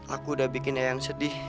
aku udah bikin yayang sedih